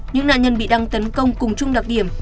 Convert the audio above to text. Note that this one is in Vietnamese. những nạn nhân bị đăng tấn công cùng chung đặc điểm